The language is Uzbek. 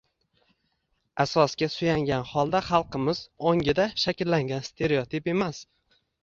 asosga suyangan holda xalqimiz ongida shakllangan – stereotip emas.